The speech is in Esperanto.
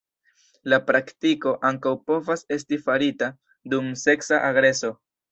La praktiko ankaŭ povas esti farita dum seksa agreso.